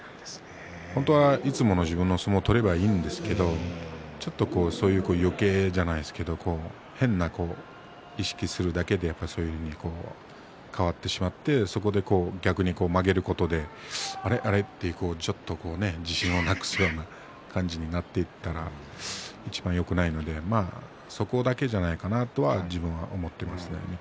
本当は、いつもの自分の相撲を取ればいいんですけれどもちょっと、よけいな変な意識をするだけで変わってしまってそこで、逆に負けることであれ、あれと自信をなくすような感じになっていくのがいちばんよくないのでそこだけじゃないかなと思います。